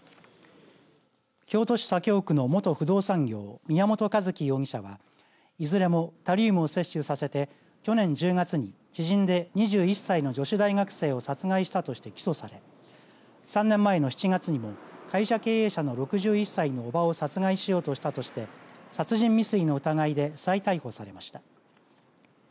京都市左京区の元不動産業宮本一希容疑者はいずれもタリウムを摂取させて去年１０月に知人で２１歳の女子大学生を殺害したとして起訴され３年前の７月にも会社経営者の６１歳の叔母を殺害しようとしたとして殺人未遂の疑いで再逮捕されました。